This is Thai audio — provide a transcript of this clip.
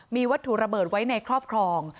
มีวัตถุระเบิดไว้ในครอบครอง